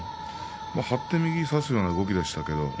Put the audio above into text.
張って、右を差すような動きでした。